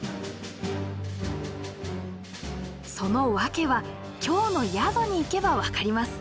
その訳は今日の宿に行けば分かります。